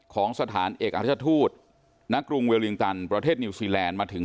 ของสถานเอกอัชทูตณกรุงเวลิงตันประเทศนิวซีแลนด์มาถึง